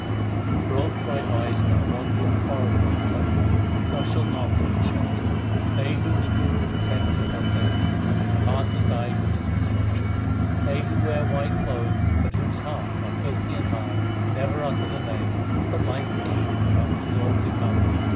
If robbed by vice thou wander in the forest like a huntsman, thou shalt not find shelter. They whom the Guru protecteth are saved ; their hearts are dyed with his instruction. They who wear white clothes, but whose hearts are filthy and hard, Never utter the Name, but like thieves become absorbed in mammon.